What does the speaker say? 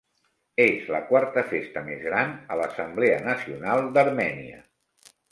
És la quarta festa més gran a l'Assemblea Nacional d'Armènia.